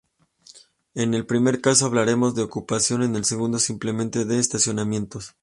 En el primer caso hablaremos de ocupación, en el segundo simplemente de estacionamientos.